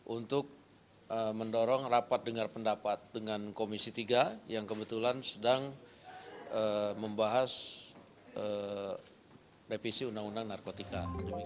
untuk mendorong rapat dengar pendapat dengan komisi tiga yang kebetulan sedang membahas revisi undang undang narkotika